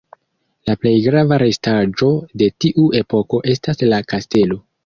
La plej grava restaĵo de tiu epoko estas la kastelo.